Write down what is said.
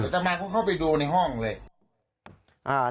ทำไมเขาเข้าไปดูในห้องเลย